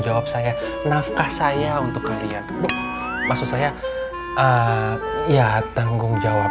jawab saya nafkah saya untuk kalian maksud saya ya tanggung jawab